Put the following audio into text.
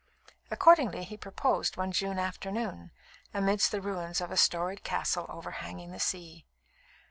Accordingly, he proposed one June afternoon, amid the ruins of a storied castle overhanging the sea.